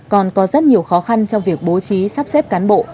còn có rất nhiều khó khăn trong việc bố trí sắp xếp cán bộ